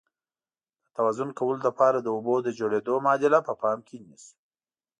د توازن کولو لپاره د اوبو د جوړیدو معادله په پام کې نیسو.